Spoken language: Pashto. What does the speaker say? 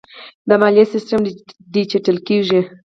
د مالیې سیستم ډیجیټل کیږي